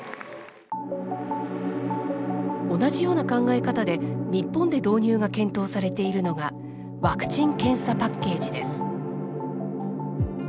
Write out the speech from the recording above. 同じような考え方で日本で導入が検討されているのがワクチン・検査パッケージです。